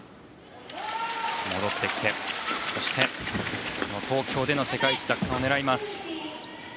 戻ってきて東京での世界一奪還を狙います。